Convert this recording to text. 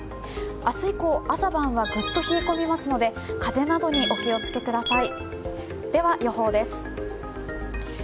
明日以降、朝晩はグッと冷え込みますので風邪などにお気をつけください。